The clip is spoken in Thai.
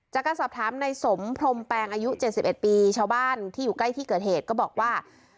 จากการสอบถามในสมพรมแปลงอายุ๗๑ปีชาวบ้านที่อยู่ใกล้ที่เกิดเหตุก็บอกว่า